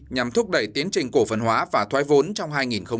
nhằm thúc đẩy tiến trình cổ phần hóa và thoái vốn trong hai nghìn một mươi chín